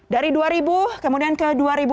dari dua ribu kemudian ke dua ribu dua